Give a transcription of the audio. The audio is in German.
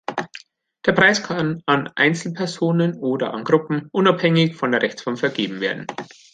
Der Preis kann an Einzelpersonen oder an Gruppen, unabhängig von der Rechtsform, vergeben werden.